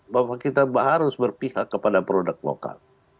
bahwa kita harus berpihak kepada produk lokal